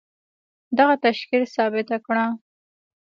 دغه تشکيل ثابته کړه.